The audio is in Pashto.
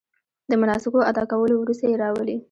د مناسکو ادا کولو وروسته یې راولي.